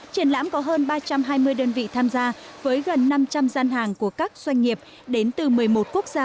triển lãm có hơn ba trăm hai mươi đơn vị tham gia với gần năm trăm linh gian hàng của các doanh nghiệp đến từ một mươi một quốc gia